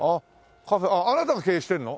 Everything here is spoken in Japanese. カフェあなたが経営してるの？